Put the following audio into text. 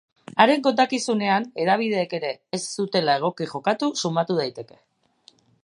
Haren kontakizunean hedabideek ere ez zutela egoki jokatu sumatu daiteke.